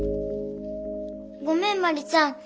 ごめん茉莉ちゃん。